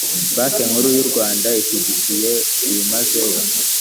banki nkuru y’u rwanda ishyigikiye byimazeyo